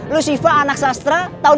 lo siva anak sastra tahun dua ribu enam belas